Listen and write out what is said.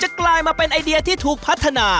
กลายมาเป็นไอเดียที่ถูกพัฒนา